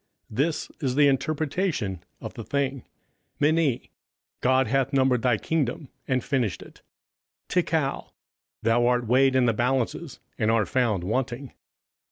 27:005:026 This is the interpretation of the thing: MENE; God hath numbered thy kingdom, and finished it. 27:005:027 TEKEL; Thou art weighed in the balances, and art found wanting.